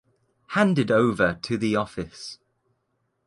Handed over to the office.